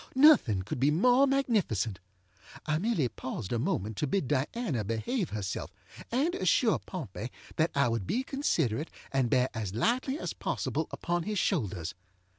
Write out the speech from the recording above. Nothing could be more magnificent. I merely paused a moment to bid Diana behave herself, and assure Pompey that I would be considerate and bear as lightly as possible upon his shoulders.